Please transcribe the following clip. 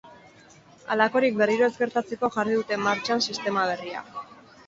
Halakorik berriro ez gertatzeko jarri dute martxan sistema berria.